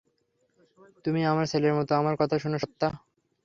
তুমি আমার ছেলের মতো, আমার কথা শুনো, সত্যা।